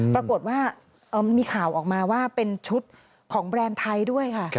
ปรากฏว่ามีข่าวออกมาว่าเป็นชุดของแบรนด์ไทยด้วยค่ะ